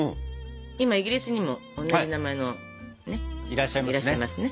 今イギリスにも同じ名前のねっいらっしゃいますね。